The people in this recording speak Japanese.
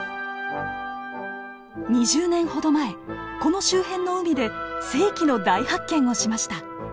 ２０年ほど前この周辺の海で世紀の大発見をしました。